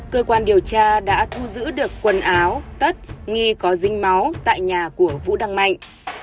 cơ quan điều tra đã thu giữ được quần áo tất nghi có dinh máu tại nhà của vũ đăng mạnh